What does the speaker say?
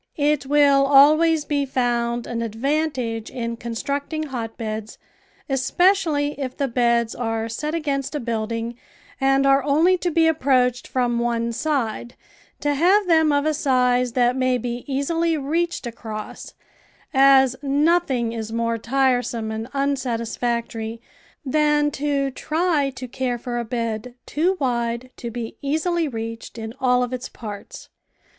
It will always be found an advantage in constructing hotbeds, especially if the beds are set against a building and are only to be approached from one side, to have them of a size that may be easily reached across, as nothing is more tiresome and unsatisfactory than to try to care for a bed too wide to be easily reached in all of its parts.